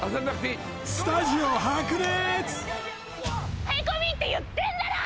スタジオ白熱！